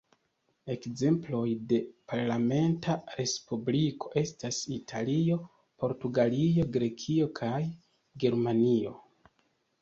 Ekzemploj de parlamenta respubliko estas Italio, Portugalio, Grekio kaj Germanio.